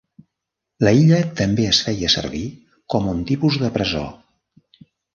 L'illa també es feia servir com un tipus de presó.